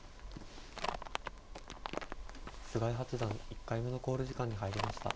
菅井八段１回目の考慮時間に入りました。